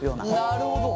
なるほど。